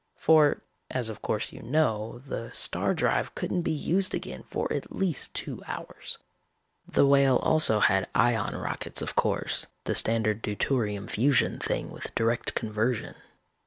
For, as of course you know, the star drive couldn't be used again for at least two hours. "The Whale also had ion rockets of course, the standard deuterium fusion thing with direct conversion.